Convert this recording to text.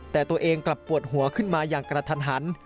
แต่ตัวเองกลับปวดหัวขึ้นมาอย่างกระทันหัน